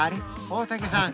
大竹さん